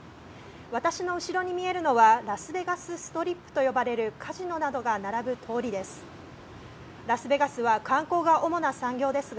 私の後ろに見えるのはラスベガス・ストリップと呼ばれるカジノなどが並ぶ通りです。